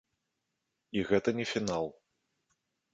І гэта не фінал.